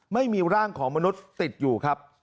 ไม่มีร่างของมนุษย์ติดอยู่ครับ